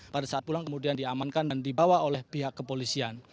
pada saat pulang kemudian diamankan dan dibawa oleh pihak kepolisian